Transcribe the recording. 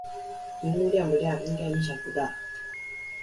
螢幕亮不亮影響應該不大